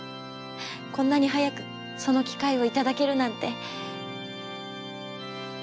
こんなに早くその機会を頂けるなんて。